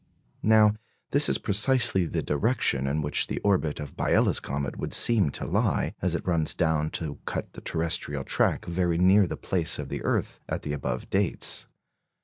Now this is precisely the direction in which the orbit of Biela's comet would seem to lie, as it runs down to cut the terrestrial track very near the place of the earth at the above dates.